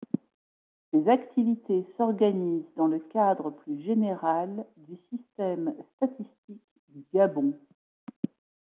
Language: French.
Ses activités s'organisent dans le cadre plus général du système statistique du Gabon.